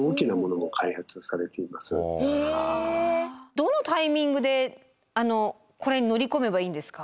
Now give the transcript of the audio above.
どのタイミングでこれに乗り込めばいいんですか？